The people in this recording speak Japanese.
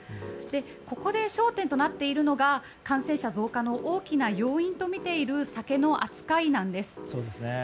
ここで焦点となっているのが感染者増加の大きな要因とみている酒の扱いなんです。